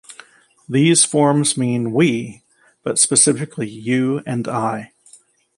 These forms mean "we", but specifically "you and I".